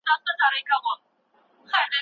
که واټني صنف منظم وي، بې نظمي نه رامنځته کېږي.